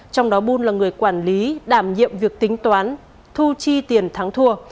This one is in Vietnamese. trong đó bul là người quản lý đảm nhiệm việc tính toán thu chi tiền thắng thua